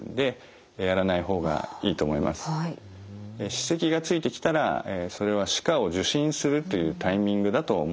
歯石がついてきたらそれは歯科を受診するというタイミングだと思ってください。